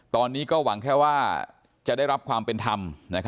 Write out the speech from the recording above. ตอนนี้ก็หวังแค่ว่าจะได้รับความเป็นธรรม